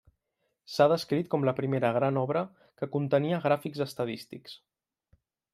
S'ha descrit com la primera gran obra que contenia gràfics estadístics.